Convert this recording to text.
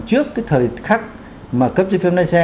trước cái thời khắc mà cấp chế phép nền xe